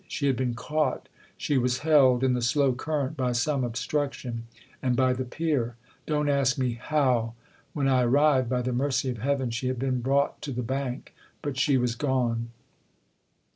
She had been caught, she was held, in the slow current by some obstruction, and by the pier. Don't ask me how when I arrived, by the mercy of heaven, she THE OTHER HOUSE 263 had been brought to the bank. But she was gone."